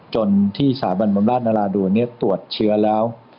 จนที่สถาบันบำราชนราดูนตรวจเชื้อแล้ว